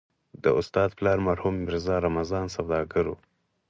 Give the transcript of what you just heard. د استاد پلار مرحوم ميرزا رمضان سوداګر و.